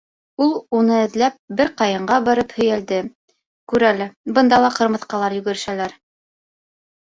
Ул уны эҙләп бер ҡайынға барып һөйәлде, күрәле, бында ла ҡырмыҫҡалар йүгерешәләр.